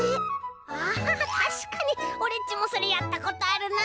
ああたしかにオレっちもそれやったことあるな。